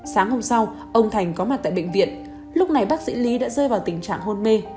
sáng hôm sau ông thành có mặt tại bệnh viện lúc này bác sĩ lý đã rơi vào tình trạng hôn mê